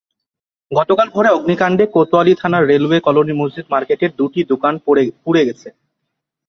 গতকাল ভোরে অগ্নিকাণ্ডে কোতোয়ালি থানার রেলওয়ে কলোনি মসজিদ মার্কেটের দুটি দোকান পুড়ে গেছে।